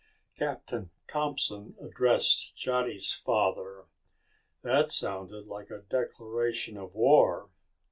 Captain Thompson addressed Johnny's father. "That sounded like a declaration of war."